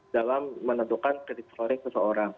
dalam menentukan kredit storing seseorang